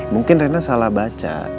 mungkin krenah salah baca